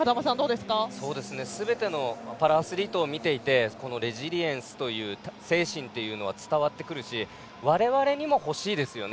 すべてのパラアスリートを見ていてレジリエンスという精神は伝わってくるし我々にも、欲しいですね。